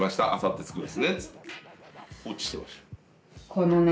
このね